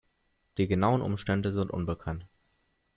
Die genauen Umstände sind unbekannt.